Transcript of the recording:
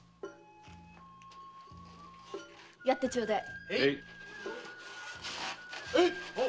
やってちょうだい！